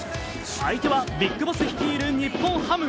相手はＢＩＧＢＯＳＳ率いる日本ハム。